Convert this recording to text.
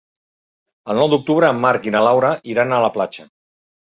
El nou d'octubre en Marc i na Laura iran a la platja.